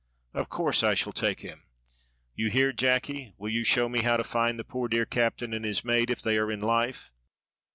"Of course I shall take him. You hear, Jacky, will you show me how to find the poor dear captain and his mate if they are in life?"